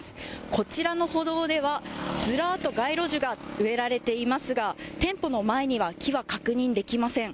こちらの歩道ではずらっと街路樹が植えられていますが店舗の前には木は確認できません。